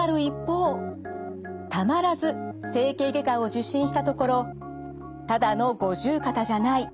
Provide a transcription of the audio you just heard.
たまらず整形外科を受診したところ「ただの五十肩じゃない。